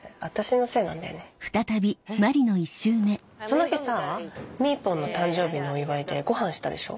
その日さみーぽんの誕生日のお祝いでごはんしたでしょ？